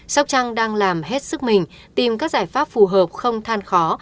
sóc trăng đang làm hết sức mình tìm các giải pháp phù hợp không than khó